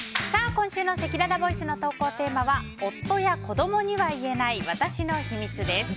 今週のせきららボイスの投稿テーマは夫や子供には言えない私の秘密です。